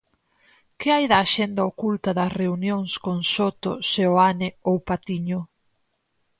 Que hai da axenda oculta das reunións con Soto, Seoane ou Patiño?